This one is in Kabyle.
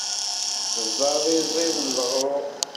Teẓẓad iẓid n leɣrur.